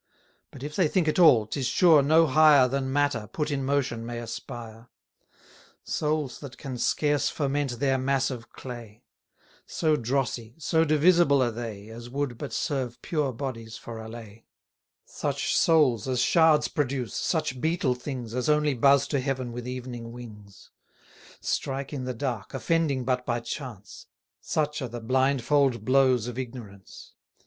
But if they think at all, 'tis sure no higher Than matter, put in motion, may aspire: Souls that can scarce ferment their mass of clay; So drossy, so divisible are they, As would but serve pure bodies for allay: 320 Such souls as shards produce, such beetle things As only buzz to heaven with evening wings; Strike in the dark, offending but by chance, Such are the blindfold blows of ignorance.